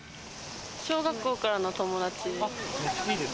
小学校からの友達です。